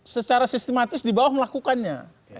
secara sistematis di bawah melakukannya